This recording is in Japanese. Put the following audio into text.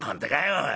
おい。